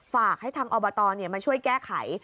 ฝากให้ทางอบตมาช่วยแก้ไข